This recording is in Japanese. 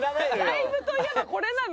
ライブといえばこれなの。